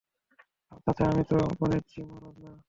আরে চাচা, আমি তো গণেশজি মহারাজ না।